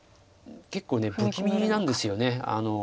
結構不気味なんですよね。